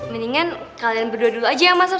mendingan kalian berdua dulu aja yang masuk